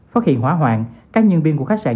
phát hiện hỏa hoạn các nhân viên của khách sạn